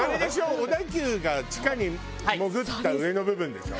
小田急が地下に潜った上の部分でしょ？